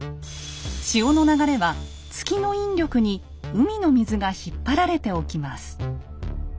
潮の流れは月の引力に海の水が引っ張られて起きます。